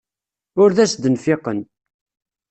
Ur d as-d-nfiqen.